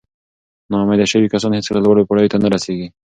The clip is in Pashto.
ناامیده شوي کسان هیڅکله لوړو پوړیو ته نه رسېږي.